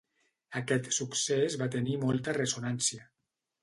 Aquest succés va tenir molta ressonància.